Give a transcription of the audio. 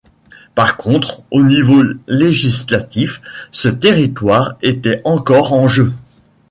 Par contre, au niveau législatif, ce territoire était encore en jeu.